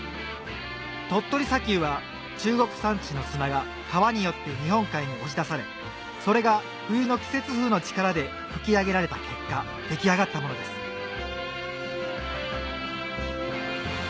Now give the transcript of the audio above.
鳥取砂丘は中国山地の砂が川によって日本海に押し出されそれが冬の季節風の力で吹き上げられた結果出来上がったものですハァ